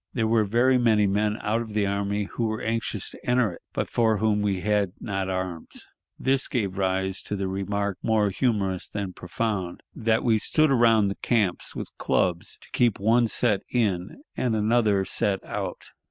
There were very many men out of the army who were anxious to enter it, but for whom we had not arms. This gave rise to the remark, more humorous than profound, that we "stood around the camps with clubs to keep one set in and an other set out."